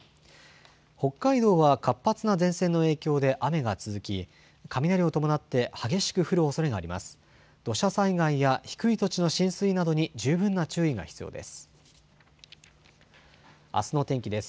北海道は活発な前線の影響で雨が続き、雷を伴って激しく降るおそれがあります。